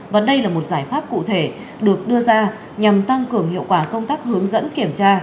và đây là một giải pháp cụ thể được đưa ra nhằm tăng cường hiệu quả công tác hướng dẫn kiểm tra